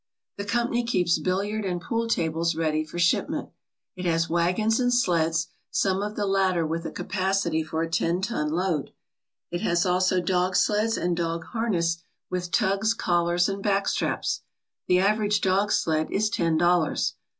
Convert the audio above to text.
The company keeps billiard and pool tables ready for shipment. It has wagons and sleds, some of the latter with a capacity for a ten ton load. It has also dog sleds, and dog harness with tugs, collars, and back straps. The average dog sled is ten dollars.